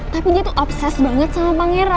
tapi dia tuh obses banget sama pangeran